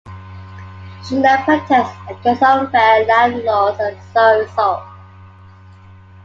She led protests against unfair landlords and saw results.